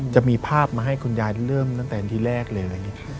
จะมีภาพมาให้คุณยายเริ่มตั้งแต่ที่แรกเลย